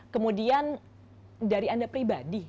kemudian dari anda pribadi